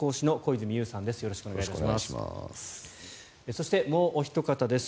そして、もうおひと方です。